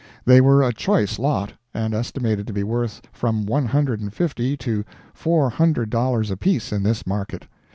They were a choice lot, and estimated to be worth from one hundred and fifty to four hundred dollars apiece in this market.